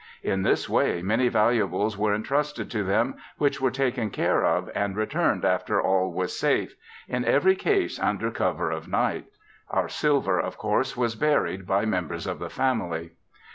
In this way many valuables were entrusted to them which were taken care of and returned after all was safe, in every case under cover of night. Our silver of course was buried by members of the family.